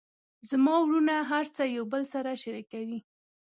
زما وروڼه هر څه یو بل سره شریکوي